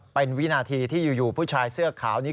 เป็นวินาทีที่อยู่ผู้ชายเสื้อขาวนี้